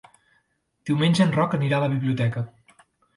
Diumenge en Roc anirà a la biblioteca.